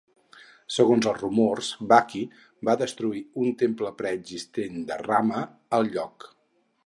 Segons els rumors, Baqi va destruir un temple preexistent de Rama al lloc.